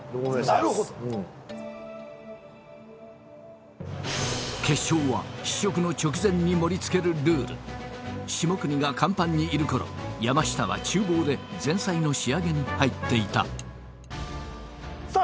なるほど決勝は試食の直前に盛りつけるルール下國が甲板にいるころ山下はちゅう房で前菜の仕上げに入っていたさあ